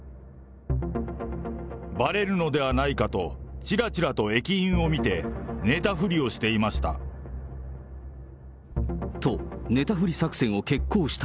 ばれるのではないかと、ちらちらと駅員を見て、寝たふりをしていました。